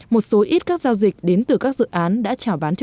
một số ít các giao dịch đến từ các dự án đã cho bán